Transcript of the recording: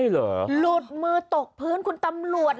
หลุดมือตกพื้นคุณตำรวจ